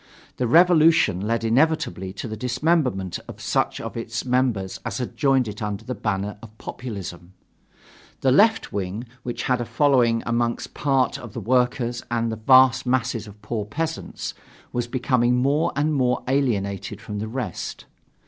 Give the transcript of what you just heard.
The revolution led inevitably to the dismemberment of such of its members as had joined it under the banner of populism. The left wing, which had a following among part of the workers and the vast masses of poor peasants, was becoming more and more alienated from the rest.